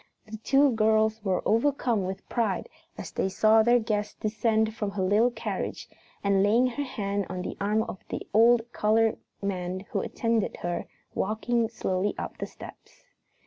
The two girls were overcome with pride as they saw their guest descend from her little carriage and, laying her hand on the arm of the old colored man who attended her, walk slowly up the steps.